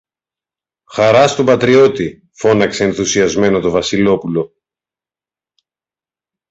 Χαρά στον πατριώτη φώναξε ενθουσιασμένο το Βασιλόπουλο.